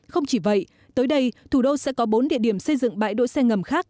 không chỉ vậy tới đây thủ đô sẽ có bốn địa điểm xây dựng bãi đỗ xe ngầm khác